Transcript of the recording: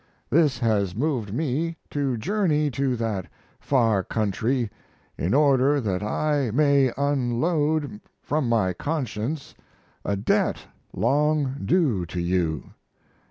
This has moved me to journey to that far country in order that I may unload from my conscience a debt long due to you.